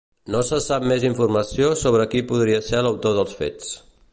No se sap més informació sobre qui podria ser l’autor dels fets.